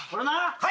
はい。